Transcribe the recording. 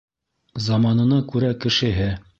Заманына күрә кешеһе.